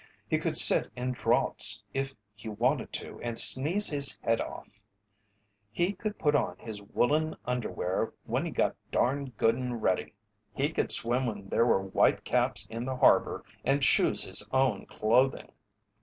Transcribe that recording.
He could sit in draughts if he wanted to and sneeze his head off. He could put on his woollen underwear when he got darned good and ready. He could swim when there were white caps in the harbour and choose his own clothing.